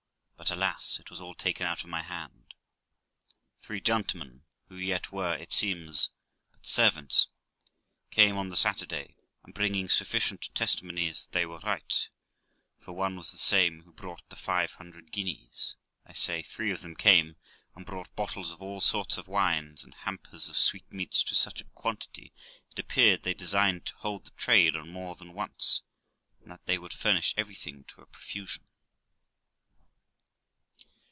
But, alas! it was all taken out of my hand. Three gentlemen, who yet were, it seems, but servants, came on the Saturday, and bringing sufficient testi monies that they were right, for one was the same who brought the five hundred guineas ; I say, three of them came, and brought bottles of all sorts of wines, and hampers of sweetmeats to such a quantity, it appeared they designed to hold the trade on more than once, and that they would furnish everything to a profusion.